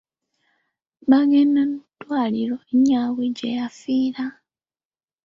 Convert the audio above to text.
Baagenda nu ddwaliro nyaabwe gye yafiira!